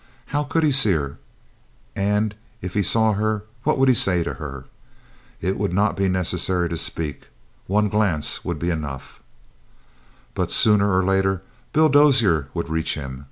How could he see her, and if he saw her, what would he say to her? It would not be necessary to speak. One glance would be enough. But, sooner or later, Bill Dozier would reach him.